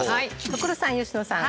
所さん佳乃さん。